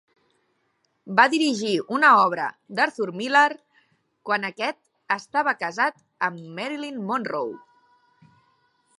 Va dirigir una obra d'Arthur Miller quan aquest estava casat amb Marilyn Monroe.